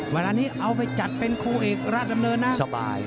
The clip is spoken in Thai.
เวลานี้เอาไปจัดเป็นคู่เอกราชดำเนินนะสบาย